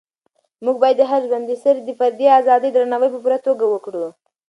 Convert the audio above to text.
موږ باید د هر ژوندي سري د فردي ازادۍ درناوی په پوره توګه وکړو.